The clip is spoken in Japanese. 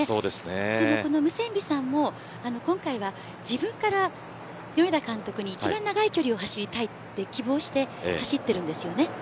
でもこのムセンビさんも今回は自分から米田監督に一番長い距離を走りたいと希望して走っているんです。